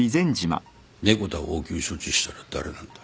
猫田を応急処置したのは誰なんだ？